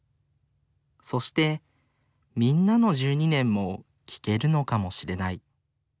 そしてみんなの１２年も聞けるのかもしれない。